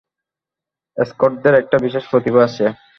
স্কটদের একটা বিশেষ প্রতিভা আছে।